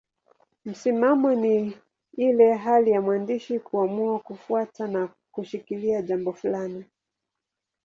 Msimamo ni ile hali ya mwandishi kuamua kufuata na kushikilia jambo fulani.